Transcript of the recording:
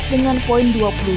dengan poin dua puluh dua